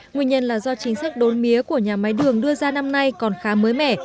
nguyên nhân là do chính sách đốn mía của nhà máy đường đưa ra năm nay còn khá mới mẻ